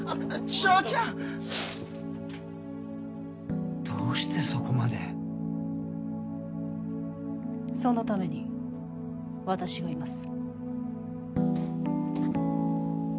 祥ちゃんどうしてそこまでそのために私がいます